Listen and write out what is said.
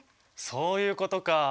そういうことか。